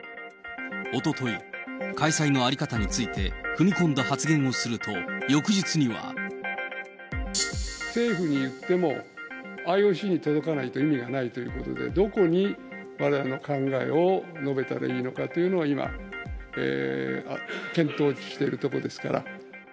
おととい、開催の在り方について、踏み込んだ発言をすると、翌日には。政府に言っても、ＩＯＣに届かないと意味がないということで、どこにわれわれの考えを述べたらいいのかというのを今、検討しているところですから。